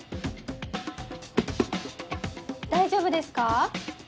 大丈夫ですか？